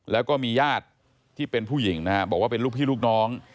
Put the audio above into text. แล้วก็มีญาติที่เป็นผู้หญิงนะฮะบอกว่าเป็นลูกพี่ลูกน้อง